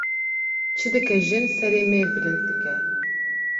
Çi dike jin serê mêr bilind dike